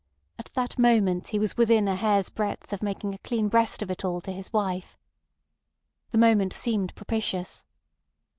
At that moment he was within a hair's breadth of making a clean breast of it all to his wife. The moment seemed propitious.